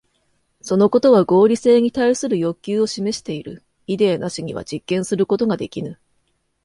そのことは合理性に対する要求を示している。イデーなしには実験することができぬ。